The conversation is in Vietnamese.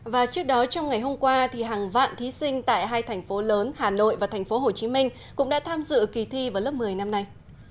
và trước đó trong ngày hôm qua thì hàng vạn thí sinh tại hai thành phố lớn hà nội và thành phố hồ chí minh cũng đã tham dự kỳ thi vào lớp một mươi năm nay